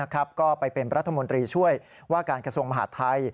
ก็ไปเป็นรัฐมนตรีช่วยว่าการกระทรวงมหาดไทย